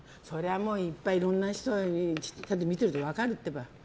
いっぱいいろんな人見ていれば分かるってば。